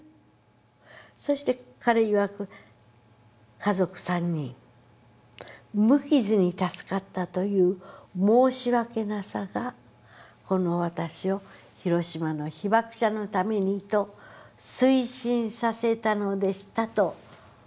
そして彼いわく家族３人無傷に助かったという申し訳なさがこの私を広島の被爆者のためにと推進させたのでしたと。